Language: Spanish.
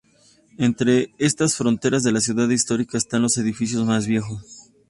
Entre estas fronteras de la ciudad histórica están los edificios más viejos.